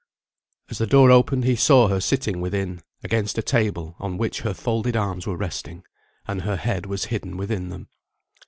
As the door opened he saw her sitting within, against a table on which her folded arms were resting, and her head was hidden within them.